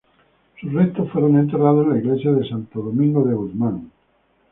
Sus restos fueron enterrados en la Iglesia de Santo Domingo de Guzmán.